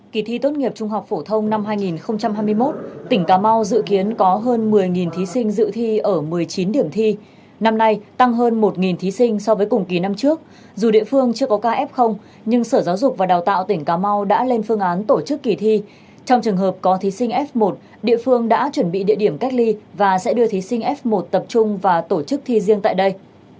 kỳ thi tốt nghiệp trung học phổ thông năm hai nghìn hai mươi một tỉnh cà mau dự kiến có hơn một mươi thí sinh dự thi ở một mươi chín điểm thi năm nay tăng hơn một thí sinh so với cùng kỳ năm trước dù địa phương chưa có kf nhưng sở giáo dục và đào tạo tỉnh cà mau đã lên phương án tổ chức kỳ thi trong trường hợp có thí sinh f một địa phương đã chuẩn bị địa điểm cách ly và sẽ đưa thí sinh f một tập trung và tổ chức thi riêng tại đây